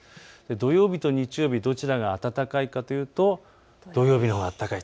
土曜日と日曜日、どちらが暖かいかというと土曜日のほうが暖かい。